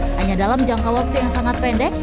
hanya dalam jangka waktu yang sangat pendek